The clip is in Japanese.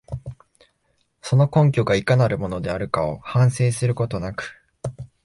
その根拠がいかなるものであるかを反省することなく、